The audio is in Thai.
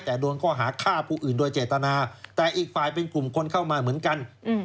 แต่โดนข้อหาฆ่าผู้อื่นโดยเจตนาแต่อีกฝ่ายเป็นกลุ่มคนเข้ามาเหมือนกัน